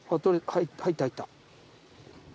入った入った。